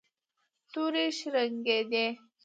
تورې شرنګېدې.